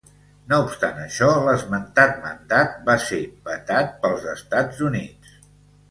No obstant això, l'esmentat mandat va ser vetat pels Estats Units.